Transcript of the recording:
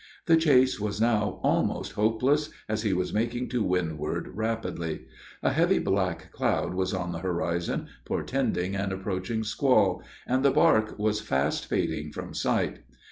The chase was now almost hopeless, as he was making to windward rapidly. A heavy black cloud was on the horizon, portending an approaching squall, and the barque was fast fading from sight.